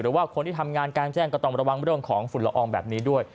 หรือว่าคนที่ทำงานกลางแจ้งก็ต้องระวังเรื่องของฝุ่นละอองแบบนี้ด้วย